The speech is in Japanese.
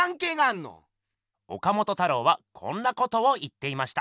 岡本太郎はこんなことを言っていました。